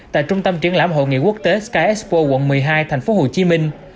tại trung tâm triển lãm hội nghị quốc tế sky expo quận một mươi hai thành phố hồ chí minh